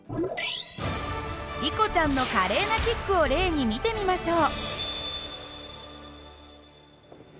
リコちゃんの華麗なキックを例に見てみましょう。